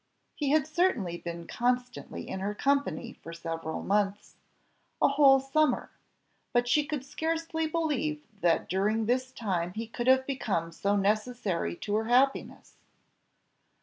He had certainly been constantly in her company for several months, a whole summer, but she could scarcely believe that during this time he could have become so necessary to her happiness.